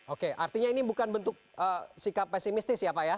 oke artinya ini bukan bentuk sikap pesimistis ya pak ya